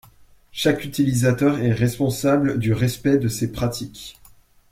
Chaque utilisateur est responsable du respect de ces pratiques.